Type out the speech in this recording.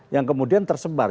yang kemudian tersebar